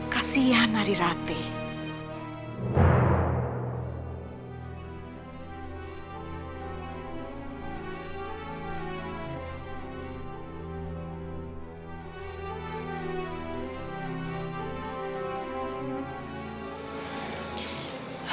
kasian nari ratih